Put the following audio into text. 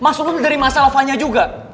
masuk dulu dari masa lofanya juga